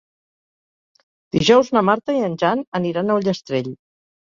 Dijous na Marta i en Jan aniran a Ullastrell.